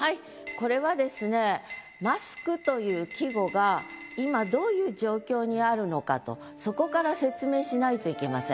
これはですね「マスク」という季語が今どういう状況にあるのかとそこから説明しないといけません。